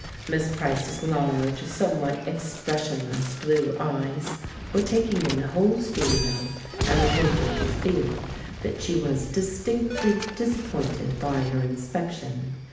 Miss Price's large, somewhat expressionless blue eyes were taking in the whole studio, and the Painter could feel that she was distinctly disappointed by her inspection.